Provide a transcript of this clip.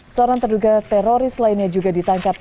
seorang terduga teroris lainnya juga ditangkap